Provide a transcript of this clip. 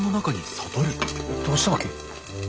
どうしたわけ？